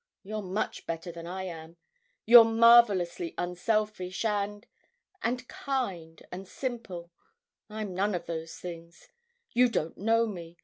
You're much better than I am. You're marvellously unselfish and... and kind and simple. I'm none of those things. You don't know me.